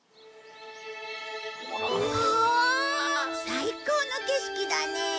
最高の景色だね。